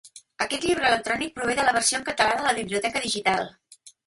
Aquest llibre electrònic prové de la versió en català de la biblioteca digital.